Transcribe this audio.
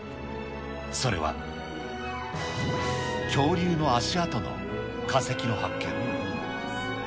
それは恐竜の足跡の化石の発見。